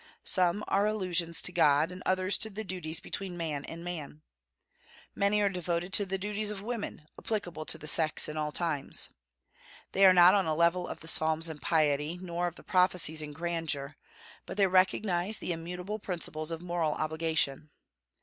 Some are allusions to God, and others to the duties between man and man. Many are devoted to the duties of women, applicable to the sex in all times. They are not on a level of the Psalms in piety, nor of the Prophecies in grandeur, but they recognize the immutable principles of moral obligation.